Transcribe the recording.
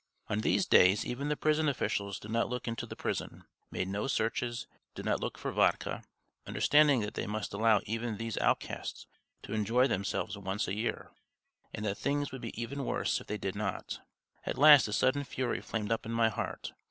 On these days even the prison officials did not look into the prison, made no searches, did not look for vodka, understanding that they must allow even these outcasts to enjoy themselves once a year, and that things would be even worse if they did not. At last a sudden fury flamed up in my heart.